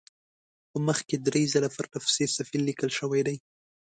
په مخ کې درې ځله پرله پسې صفیل لیکل شوی دی.